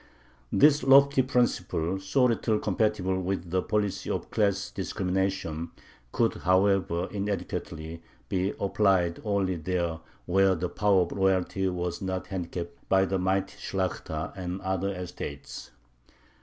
This lofty principle, so little compatible with the policy of class discrimination, could, however inadequately, be applied only there where the power of royalty was not handicapped by the mighty Shlakhta and the other estates.